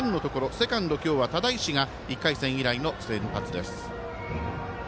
セカンド今日は只石が１回戦以来の先発です。